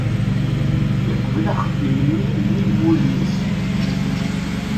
Yeqbel axeddim-nni nnig wul-nnes.